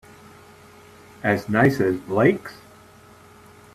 As nice as Blake's?